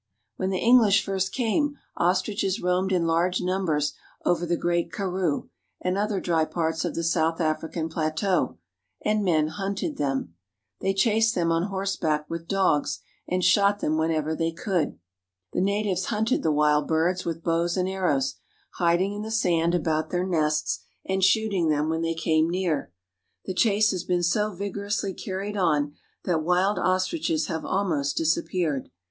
When the English first came, ostriches roamed in large numbers over the great Karroo and other dry parts of the South African plateau, and men hunted them. They chased them on horseback with dogs, and shot them whenever they could. The natives hunted the wild birds with bows and arrows, hiding in the sand about their nests, and shooting them when they came near. The chase has been so vigorously carried on that wild ostriches have almost disappeared.